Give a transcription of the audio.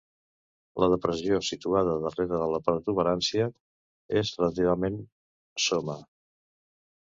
La depressió situada darrere de la protuberància és relativament soma.